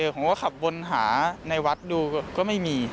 ผมก็ขับวนหาในวัดดูก็ไม่มี